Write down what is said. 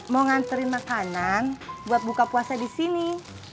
mau nganterin makanan buat buka puasa di sini